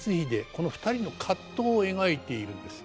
この２人の葛藤を描いているんです。